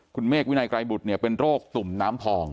คุณเมฆวินัยไกรบุตรเนี่ยเป็นโรคตุ่มน้ำพอง